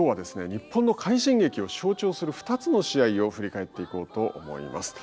日本の快進撃を象徴する２つの試合を振り返っていこうと思います。